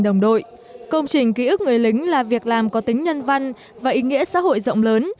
đồng đội công trình ký ức người lính là việc làm có tính nhân văn và ý nghĩa xã hội rộng lớn